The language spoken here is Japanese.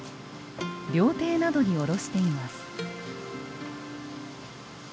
料亭などに卸しています。